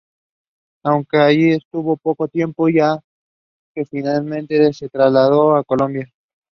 These orders may only be issued in relation to an organised crime investigation.